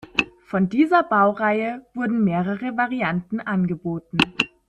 Von dieser Baureihe wurden mehrere Varianten angeboten.